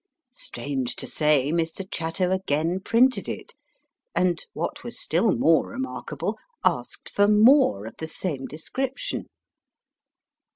Strange to say, Mr. Chatto again printed it, and, what was still more remarkable, asked for more of the same description.